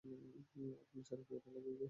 আপনি চান আমি এটা লাগিয়ে দেই?